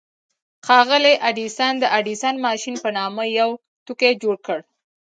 ښاغلي ايډېسن د ايډېسن ماشين په نامه يو توکی جوړ کړ.